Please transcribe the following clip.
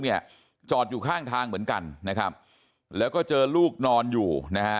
เนี่ยจอดอยู่ข้างทางเหมือนกันนะครับแล้วก็เจอลูกนอนอยู่นะฮะ